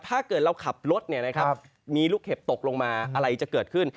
ถ้าเกิดเราขับรถมีลูกเห็บตกลงมาอะไรจะเกิดขึ้น